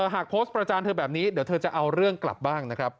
หากโพสต์ประจานเธอแบบนี้เดี๋ยวเธอจะเอาเรื่องกลับบ้างนะครับ